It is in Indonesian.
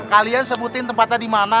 kalian sebutin tempatnya di mana